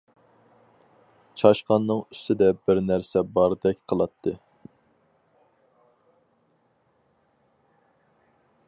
چاشقاننىڭ ئۈستىدە بىر نەرسە باردەك قىلاتتى.